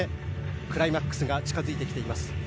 クライマックスが近付いてきています。